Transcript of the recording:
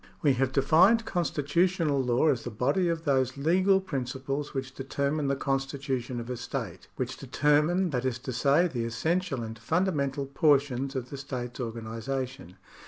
We have defined constitutional law as the body of those legal principles which determine the constitution of a state — which determine, that is to say, the essential and fundamental portions of the state's organisation.